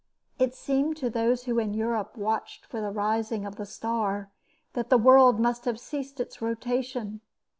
It seemed to those who in Europe watched for the rising of the star that the world must have ceased its rotation.